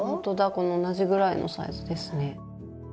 この同じぐらいのサイズですね。